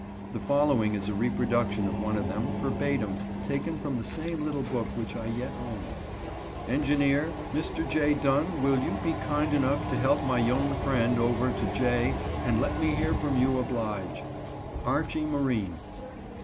The following is a reproduction of one of them, verbatim, taken from the same little book, which I yet own: "ENGINEER, Mr. J. Dunn wil you bee kind enough to help my yung friend over to J. and let me hear from you oblige" ARCHIE MARINE.